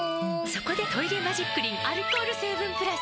そこで「トイレマジックリン」アルコール成分プラス！